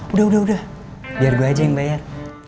udah udah udah biar gua aja yang bayar